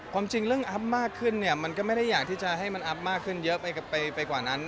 ความจริงเรื่องอัพมากขึ้นเนี่ยมันก็ไม่ได้อยากที่จะให้มันอัพมากขึ้นเยอะไปกว่านั้น